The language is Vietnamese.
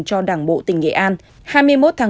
cho đảng bộ tỉnh nghệ an